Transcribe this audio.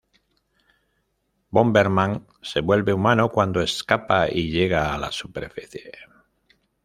Bomberman se vuelve humano cuando escapa y llega a la superficie.